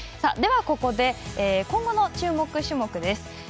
では、ここで今後の注目種目です。